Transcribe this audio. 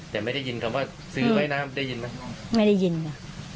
แต่ไม่ได้ยินคำว่าซื้อว่ายน้ำได้ยินไหมไม่ได้ยินค่ะ